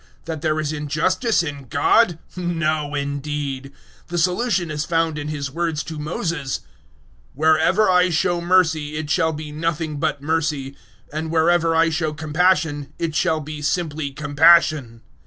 That there is injustice in God? 009:015 No, indeed; the solution is found in His words to Moses, "Wherever I show mercy it shall be nothing but mercy, and wherever I show compassion it shall be simply compassion."